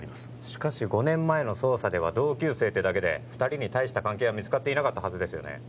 しかし５年前の捜査では同級生ってだけで二人に大した関係は見つかっていなかったはずですよね